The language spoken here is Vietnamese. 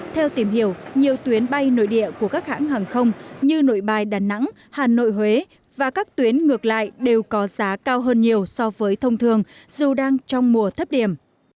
theo tìm hiểu nhiều tuyến bay nội địa của các hãng hàng không như nội bài đà nẵng hà nội huế và các tuyến ngược lại đều có giá cao hơn nhiều so với thông thường dù đang trong mùa thấp điểm